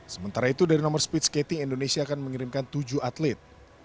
sementara itu dari nomor speed skating indonesia akan mengirimkan tujuh atlet